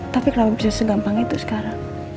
tapi kalau bisa segampang itu sekarang